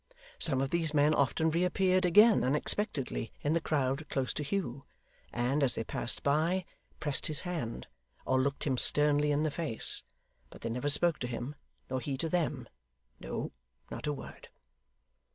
Some of these men often reappeared again unexpectedly in the crowd close to Hugh, and, as they passed by, pressed his hand, or looked him sternly in the face; but they never spoke to him, nor he to them; no, not a word.